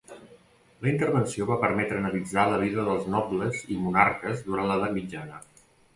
La intervenció va permetre analitzar la vida dels nobles i monarques durant l’Edat Mitjana.